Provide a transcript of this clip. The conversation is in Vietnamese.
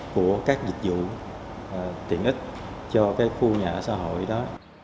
của các dịch vụ tiện ích cho cái khu nhà ở xã hội đó